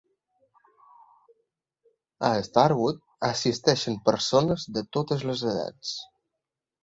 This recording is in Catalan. A Starwood assisteixen persones de totes les edats.